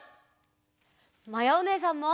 まやおねえさんも！